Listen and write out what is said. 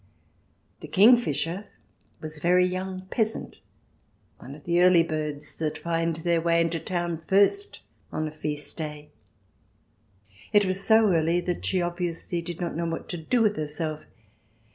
The king fisher was a very young peasant, one of the early birds that find their way into town first on a feast day. It was so early that she obviously did not know what to do with herself.